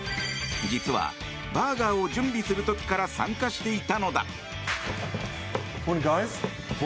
実は、バーガーを準備する時から参加していたのだ。